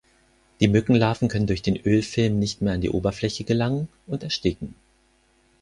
Die Mückenlarven können durch den Ölfilm nicht mehr an die Oberfläche gelangen und ersticken.